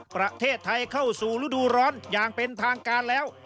ประเทศไทยเข้าสู่ฤดูร้อนอย่างเป็นทางการแล้ว